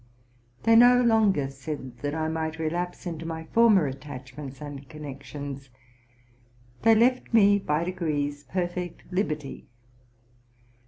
They no longer said that I might relapse into my former attachments and connections : they left me by degrees per fect liberty.